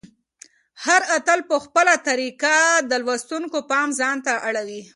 هر اتل په خپله طریقه د لوستونکي پام ځانته اړوي.